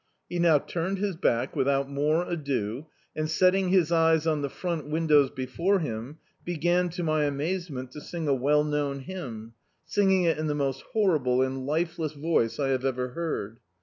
He now turned his back, without more ado, and, setting his eyes on the front windows before him, began, to my amazement, to sing a well known bymn, sin^ng it in the most horrible and lifeless voice I have ever heard.